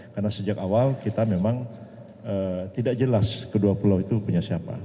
karena sejak awal kita memang tidak jelas kedua pulau itu punya siapa